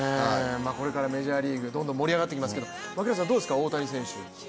これからメジャーリーグどんどん盛り上がっていきますけどどうですか、大谷選手。